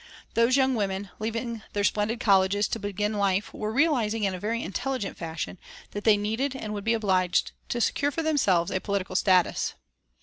Those young women, leaving their splendid colleges to begin life were realising in a very intelligent fashion that they needed and would be obliged to secure for themselves a political status.